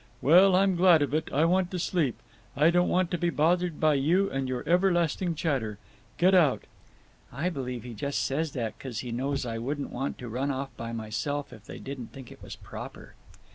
Well, I'm glad of it. I want to sleep. I don't want to be bothered by you and your everlasting chatter. Get out!' I b'lieve he just says that 'cause he knows I wouldn't want to run off by myself if they didn't think it was proper."